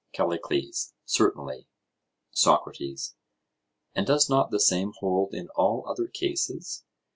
CALLICLES: Certainly. SOCRATES: And does not the same hold in all other cases?